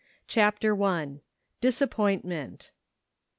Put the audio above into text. CHAPTER I. DISAPPOINTMENT.